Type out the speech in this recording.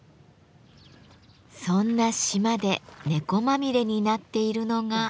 そんな島で猫まみれになっているのが。